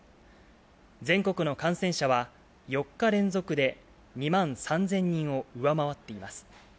全国の感染者は、４日連続で２万３０００人を上回っています。